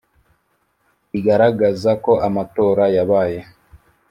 rigaragaza ko amatora yabaye